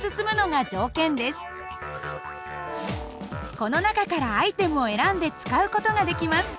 この中からアイテムを選んで使う事ができます。